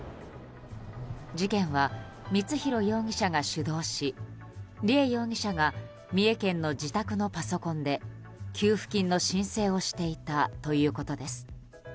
事件は光弘容疑者が主導し梨恵容疑者が梨恵容疑者の自宅のパソコンで給付金の申請をしていたということです。